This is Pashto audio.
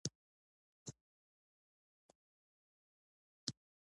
خلک د توپیرونو بدلولو ته هڅول کیږي.